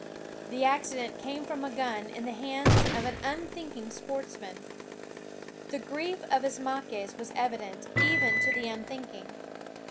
The accident came from a gun in the hands of an unthink ing sportsman. The grief of Ismaques was evident, even to the unthinking.